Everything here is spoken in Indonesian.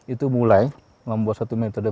itu mulai membuat satu metode